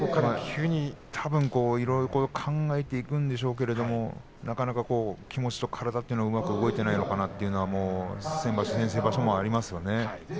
考えていくんでしょうけれどもなかなか気持ちと体がうまく動いていないというのが先場所、先々場所もありますよね。